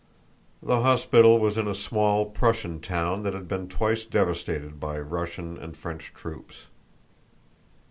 The hospital was in a small Prussian town that had been twice devastated by Russian and French troops.